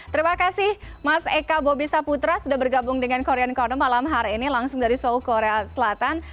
terima kasih mas eka bobi saputra sudah bergabung dengan korean corner malam hari ini langsung dari seoul korea selatan